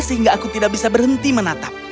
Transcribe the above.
sehingga aku tidak bisa berhenti menatap